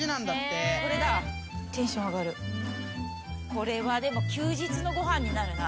これはでも休日のご飯になるな。